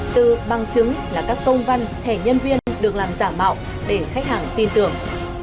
từ bằng chứng là các công văn thẻ nhân viên được làm giả mạo để khách hàng tin tưởng